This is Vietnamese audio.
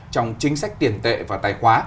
trong chính sách tiền tệ và tài khoá